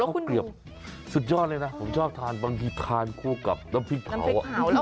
เกลียบสุดยอดเลยนะผมชอบทานบางทีทานคู่กับน้ำพริกเผาอ่ะ